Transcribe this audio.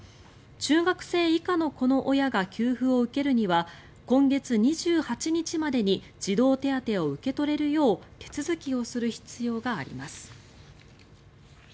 中学生以下の子の親が給付を受けるには今月２８日までに児童手当を受け取れるよう手続きをする必要があります。